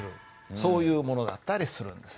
そういうものだったりするんです。